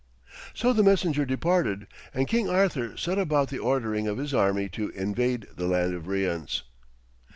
So the messenger departed, and King Arthur set about the ordering of his army to invade the land of Rience.